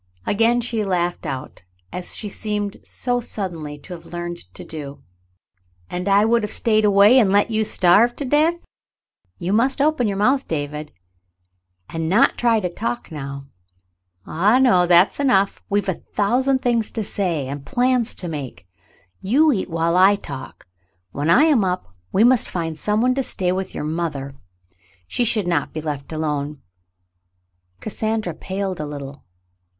Again she laughed out, as she seemed so suddenly to have learned to do. "And I would have stayed away and let 196 The Mountain Girl you starve to death ? You must open your mouth, David, and not try to talk now." "Ah, no, that's enough. WeVe a thousand things to say and plans to make. You eat while I talk. When I am up, we must find some one to stay with your mother. She should not be left alone." Cassandra paled a little.